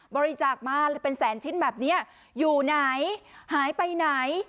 บริจาคมาเป็นแสนชิ้นแบบนี้อยู่ไหนหายไปไหน